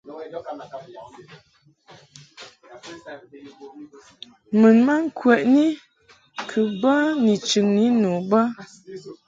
Mun ma ŋkwəni kɨ bə ni chɨŋni nu bə.